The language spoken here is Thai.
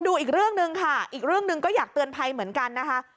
ดูอีกเรื่องหนึ่งค่ะอีกเรื่องหนึ่งก็อยากเตือนภัยเหมือนกันนะคะ